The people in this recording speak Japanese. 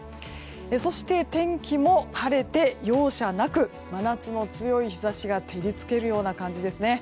そして、天気も晴れて容赦なく真夏の強い日差しが照りつけるような感じですね。